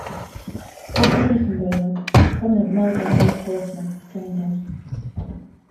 Walter Hickenbotham, a prominent Melbourne-based horseman, trained him.